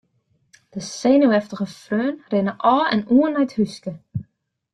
De senuweftige freonen rinne ôf en oan nei it húske.